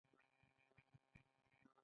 د ناور جهیل په غزني کې دی